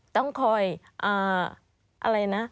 ต้องคอย